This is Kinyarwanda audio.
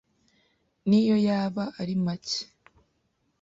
n'iyo yaba ari make